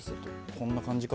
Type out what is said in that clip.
こんな感じか？